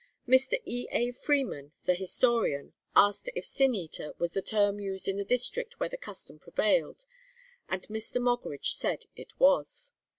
Mr. E. A. Freeman, (the historian) asked if Sin eater was the term used in the district where the custom prevailed, and Mr. Moggridge said it was.